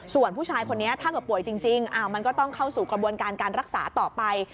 ส่วนผู้ชายคนนี้ถ้าเกิดป่วยจริงมันก็ต้องเข้าสู่กระบวนการการรักษาต่อไป